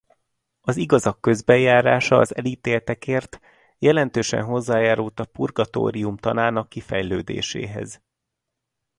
Az igazak közbenjárása az elítéltekért jelentősen hozzájárult a purgatórium tanának kifejlődéséhez.